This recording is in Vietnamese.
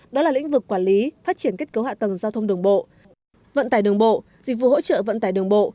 đó là lĩnh vực quản lý phát triển kết cấu hạ tầng giao thông đường bộ vận tải đường bộ dịch vụ hỗ trợ vận tải đường bộ